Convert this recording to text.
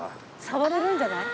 触れるんじゃない？